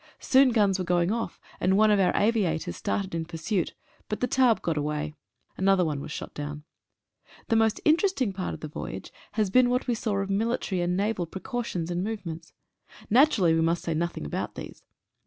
Soon guns were going off, and one of our aviators started in pursuit, but the taube got away. Another one was shot down. The most interesting part of the voyage has been what we saw of military and naval precautions and movements. Naturally we must say nothing about these.